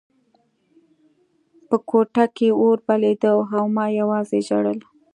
په کوټه کې اور بلېده او ما یوازې ژړل